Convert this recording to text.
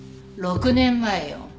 ６年前よ。